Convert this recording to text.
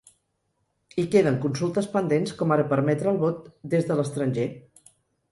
I queden consultes pendents, com ara permetre el vot des de l’estranger.